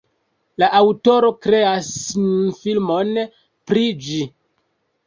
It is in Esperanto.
La aŭtoro kreas nun filmon pri ĝi.